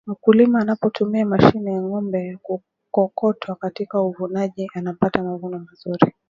mkulima anapotumia mashine ya ngombe ya kukokotwa katika uvunaji anapata mavuno mazuri